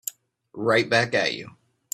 Right back at you.